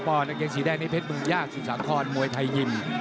กางเกงสีแดงนี่เพชรเมืองยากสุสาครมวยไทยยิม